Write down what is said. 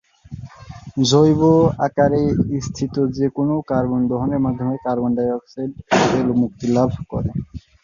জৈব আকারে স্থিত যে কোনও কার্বন দহনের মাধ্যমে কার্বন ডাই অক্সাইড রূপে মুক্তিলাভ করে।